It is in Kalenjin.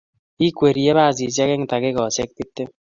Kikwerie pasisyek eng' tagigosyek tiptem.